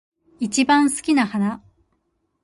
一番好きな花